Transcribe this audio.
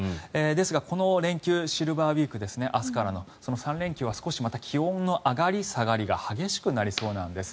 ですが、この連休シルバーウィーク明日からの３連休は気温の上がり下がりが激しくなりそうなんです。